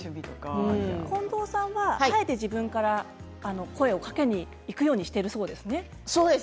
近藤さんはあえて自分から声をかけるようにしているそうですね。